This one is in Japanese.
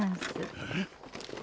えっ？